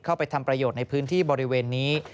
ทำประโยชน์ในพื้นที่บริเวณนี้